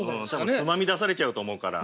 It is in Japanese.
つまみ出されちゃうと思うから。